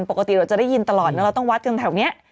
ปกติเราจะได้ยินตลอดนะเราต้องวัดกันแถวนี้